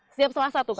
setiap selasa tuh kang